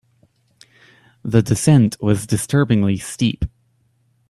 The descent was disturbingly steep.